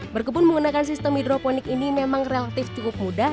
berkebun menggunakan sistem hidroponik ini memang relatif cukup mudah